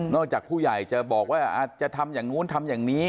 จากผู้ใหญ่จะบอกว่าจะทำอย่างนู้นทำอย่างนี้